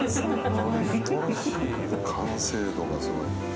完成度がすごい。